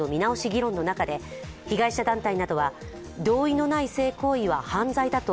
議論の中で被害者団体などは、同意のない性行為は犯罪だと